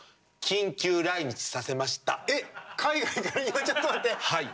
緊急来日させましたっ！